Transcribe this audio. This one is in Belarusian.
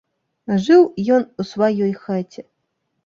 Жыў ён у сваёй хаце.